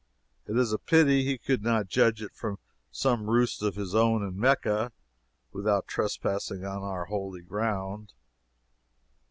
It is a pity he could not judge it from some roost of his own in Mecca, without trespassing on our holy ground.